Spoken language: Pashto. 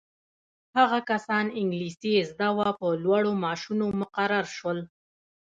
هغه کسان انګلیسي یې زده وه په لوړو معاشونو مقرر شول.